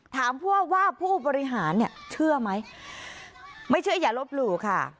ถามผู้ว่าว่าผู้บริหารเนี่ยเชื่อไหมไม่เชื่ออย่าลบหลู่ค่ะ